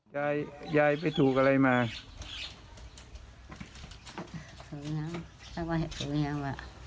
ยายยายไปถูกอะไรมา